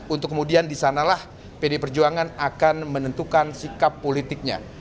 untuk kemudian di sanalah pdi perjuangan akan menentukan sikap politiknya